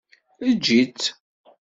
Eǧǧ-itt.